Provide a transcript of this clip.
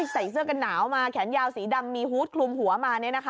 ใส่เสื้อกันหนาวมาแขนยาวสีดำมีฮูตคลุมหัวมา